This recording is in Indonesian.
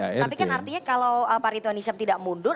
tapi kan artinya kalau pak ridwan nisab tidak mundur